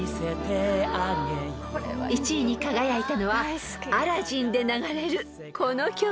［１位に輝いたのは『アラジン』で流れるこの曲］